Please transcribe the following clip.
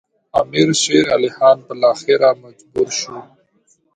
امیر شېر علي خان بالاخره مجبور شو.